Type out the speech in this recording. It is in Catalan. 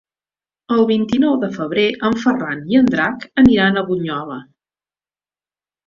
El vint-i-nou de febrer en Ferran i en Drac aniran a Bunyola.